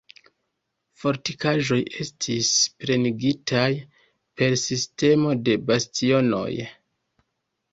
Fortikaĵoj estis plenigitaj per sistemo de bastionoj.